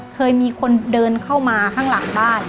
เคยมีคนเดินเข้ามาข้างหลังบ้าน